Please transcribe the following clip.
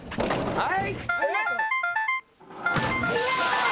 はい。